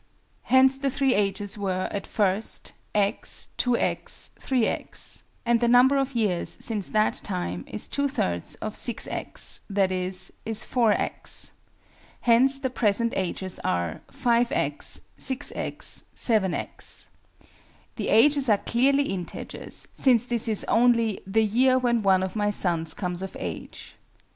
Hence the three ages were, at first, x, 2_x_, 3_x_; and the number of years, since that time is two thirds of 6_x_, i.e. is 4_x_. Hence the present ages are 5_x_, 6_x_, 7_x_. The ages are clearly integers, since this is only "the year when one of my sons comes of age."